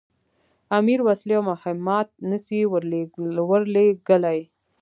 امیر وسلې او مهمات نه سي ورلېږلای.